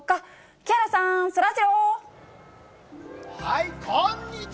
木原さん、そらジロー。